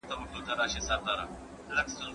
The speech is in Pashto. زه مخکي تکړښت کړی و؟!